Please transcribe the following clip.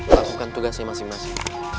lakukan tugasnya masing masing